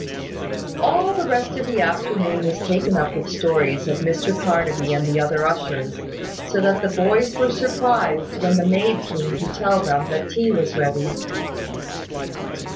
All the rest of the afternoon was taken up with stories of Mr Carnaby and other ushers, so that the boys were surprised when the maid came to tell them that tea was ready.